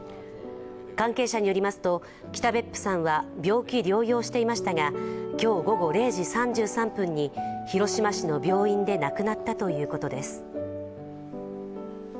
関係者によりますと、北別府さんは病気療養していましたが、今日午後０時３３分に広島市の病院で亡くなったということです。